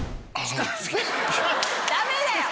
ダメだよ！